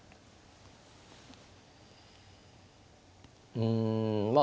うんまあ